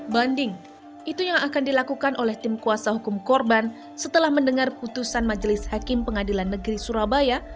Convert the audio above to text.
banding itu yang akan dilakukan oleh tim kuasa hukum korban setelah mendengar putusan majelis hakim pengadilan negeri surabaya